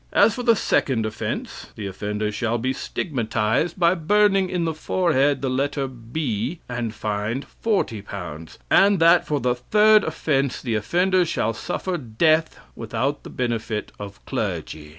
As for the second offense, the offender shall be stigmatized by burning in the forehead the letter B, and fined L40. And that for the third offense, the offender shall suffer death without the benefit of clergy."